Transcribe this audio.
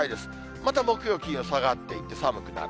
また木曜、金曜下がっていって寒くなる。